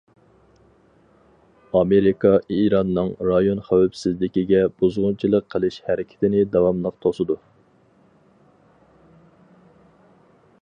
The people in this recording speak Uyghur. ئامېرىكا ئىراننىڭ رايون خەۋپسىزلىكىگە بۇزغۇنچىلىق قىلىش ھەرىكىتىنى داۋاملىق توسىدۇ.